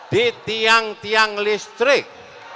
di tiang tiang listrik